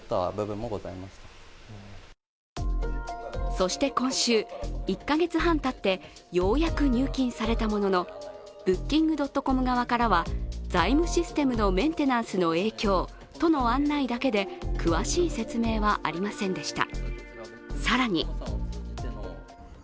そして今週、１か月半たってようやく入金されたもののＢｏｏｋｉｎｇ．ｃｏｍ側からは財務システムのメンテナンスの影響との案内だけで詳しい説明はありませんでした。